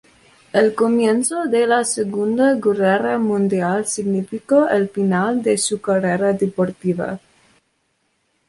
El comienzo de la Segunda Guerra Mundial significó el final de su carrera deportiva.